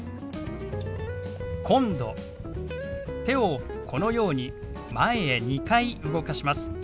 手をこのように前へ２回動かします。